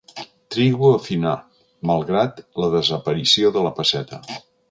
Trigo a finar, malgrat la desaparició de la pesseta.